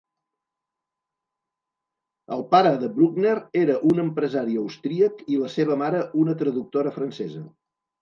El pare de Bruckner era un empresari austríac i la seva mare una traductora francesa.